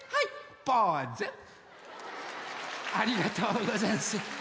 ありがとうござんす。